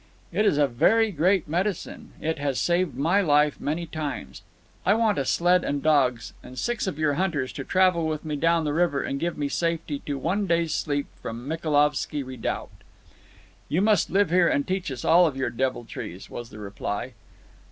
"It is a very great medicine. It has saved my life many times. I want a sled and dogs, and six of your hunters to travel with me down the river and give me safety to one day's sleep from Michaelovski Redoubt." "You must live here, and teach us all of your deviltries," was the reply.